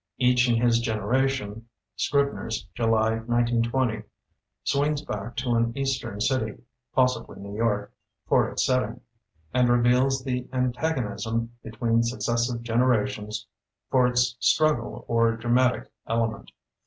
"Each in His Generation" ("Scrib ner's", July, 1920) swings back to an eastern city — ^possibly New York — ^f or its setting; and reveals the antago nism between successive generations, for its struggle or dramatic element.